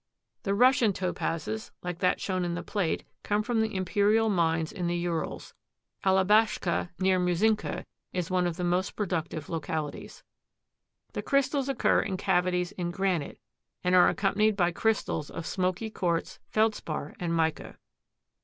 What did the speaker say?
The Russian Topazes, like that shown in the plate, come from the Imperial mines in the Urals. Alabashka, near Mursinka, is one of the most productive localities. The crystals occur in cavities in granite and are accompanied by crystals of smoky quartz, feldspar and mica.